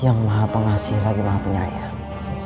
yang maha pengasih lagi maha penyayang